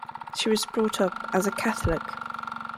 She was brought up as a Catholic.